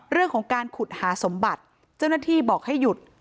เรื่องของการขุดหาสมบัติเจ้าหน้าที่บอกให้หยุด